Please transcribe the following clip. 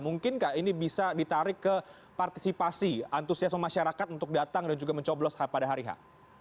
mungkinkah ini bisa ditarik ke partisipasi antusiasme masyarakat untuk datang dan juga mencoblos pada hari h